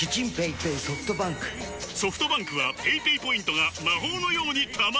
ソフトバンクはペイペイポイントが魔法のように貯まる！